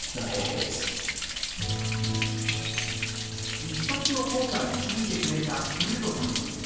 １冊の本が導いてくれたウルドさんの夢。